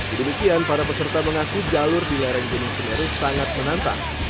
meski demikian para peserta mengaku jalur di lereng gunung semeru sangat menantang